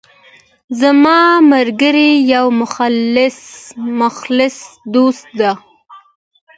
زما ملګری یو مخلص دوست ده